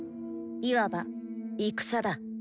いわば戦だ。